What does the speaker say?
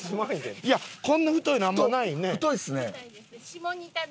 こんな太いのあんまないよね？